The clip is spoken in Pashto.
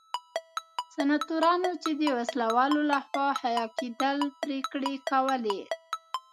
سناتورانو چې د وسله والو لخوا حیه کېدل پرېکړې کولې.